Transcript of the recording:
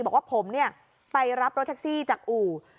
บอกว่าผมไปรับรถแท็กซี่จากอู่